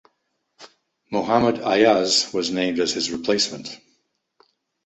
Mohammad Ayaz was named as his replacement.